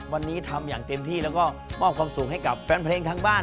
วันนี้ทำอย่างเต็มที่แล้วก็มอบความสุขให้กับแฟนเพลงทั้งบ้าน